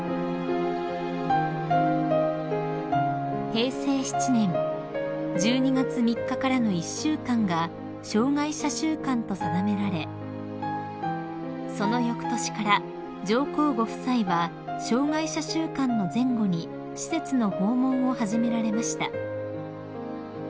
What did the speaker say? ［平成７年１２月３日からの１週間が障害者週間と定められそのよくとしから上皇ご夫妻は障害者週間の前後に施設の訪問を始められました］